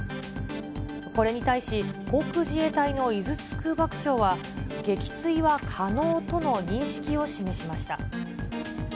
これに対し、航空自衛隊の井筒空幕長は、撃墜は可能との認識を示しました。